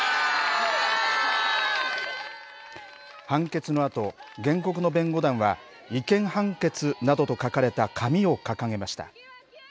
判決のあと、原告の弁護団は、違憲判決などと書かれた紙を掲げました。